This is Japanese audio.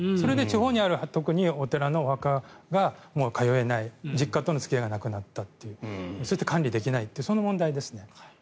それで地方にあるお寺のお墓が通えない実家との付き合いがなくなったっていうそして管理できないというそういう問題ですね。